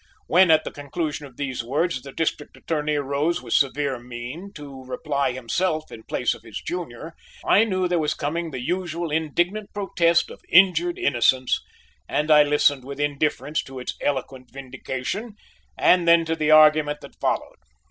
When, at the conclusion of these words, the District Attorney arose with severe mien to reply himself in place of his junior, I knew there was coming the usual indignant protest of injured innocence, and I listened with indifference to its eloquent vindication and then to the argument that followed.